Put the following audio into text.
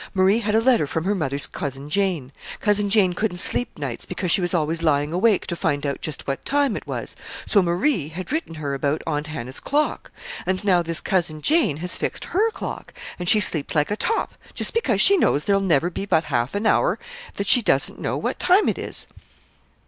"Marie had a letter from her mother's Cousin Jane. Cousin Jane couldn't sleep nights, because she was always lying awake to find out just what time it was; so Marie had written her about Aunt Hannah's clock. And now this Cousin Jane has fixed her clock, and she sleeps like a top, just because she knows there'll never be but half an hour that she doesn't know what time it is!"